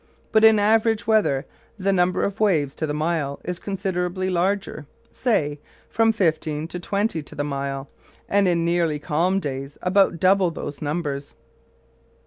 But in average weather the number of waves to the mile is considerably larger, say, from fifteen to twenty to the mile; and in nearly calm days about double those numbers.